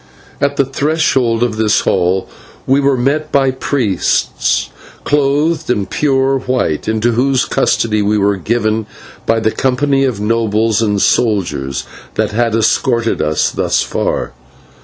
At the threshold of this hall we were met by priests clothed in pure white, into whose custody we were given by the company of nobles and soldiers that had escorted us thus far.